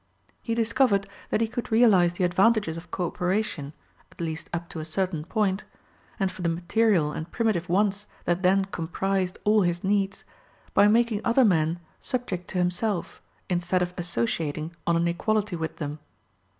He discovered that he could realize the advantages of co operation, at least up to a certain point, and for the material and primitive wants that then comprised all his needs, by making other men subject to himself, instead of associating on an equality with them.